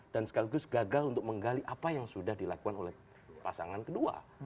dan sekaligus gagal untuk menggali apa yang sudah dilakukan oleh pasangan kedua